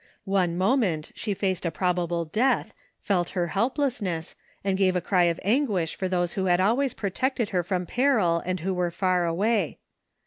One moment she faced a probable death, felt her helplessness, and gave a cry of anguish for those who had always protected her from peril, and who were far away.